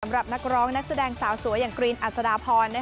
นักร้องนักแสดงสาวสวยอย่างกรีนอัศดาพร